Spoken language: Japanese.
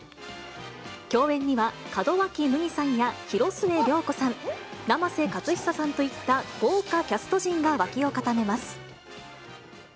共演には門脇麦さんや、広末涼子さん、生瀬勝久さんといった豪華キャスト陣が脇を固めます。